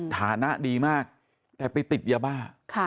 ฐานะดีมากแต่ไปติดยาบ้า